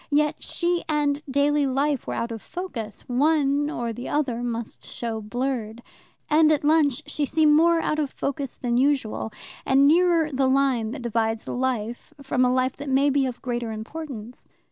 Yet she and daily life were out of focus: one or the other must show blurred. And at lunch she seemed more out of focus than usual, and nearer the line that divides life from a life that may be of greater importance.